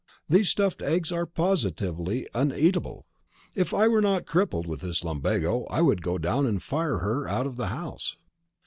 These stuffed eggs are positively uneatable! If I were not crippled with this lumbago I would go down and fire her out of the house."